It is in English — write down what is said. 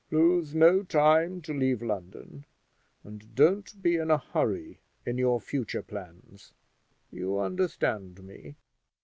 Lose no time to leave London; and don't be in a hurry in your future plans. You understand me.